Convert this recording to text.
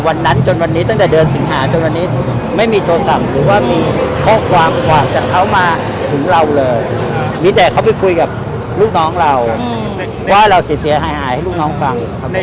พระเจ้าสารนี้มันอยู่ในขบวนการไหนนะครับที่บน